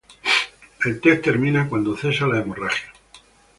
El test termina cuando cesa la hemorragia.